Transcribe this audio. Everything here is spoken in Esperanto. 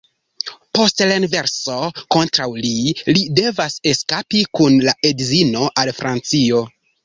Post renverso kontraŭ li, li devas eskapi kun la edzino al Francio.